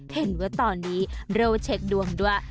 เห็นว่าตอนนี้เราเช็คดวงด้วย